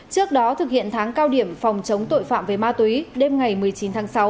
trước đó thực hiện tháng cao điểm phòng chống tội phạm về ma túy đêm ngày một mươi chín tháng sáu